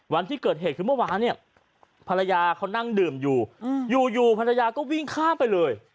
วันที่เกิดเหตุคือเมื่อวานเนี่ยภรรยาเขานั่งดื่มอยู่อยู่ภรรยาก็วิ่งข้ามไปเลย